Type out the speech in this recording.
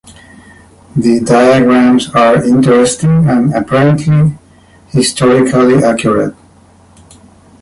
The diagrams are interesting and apparently historically accurate.